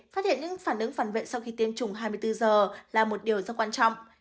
phát hiện những phản ứng phản vệ sau khi tiêm chủng hai mươi bốn giờ là một điều rất quan trọng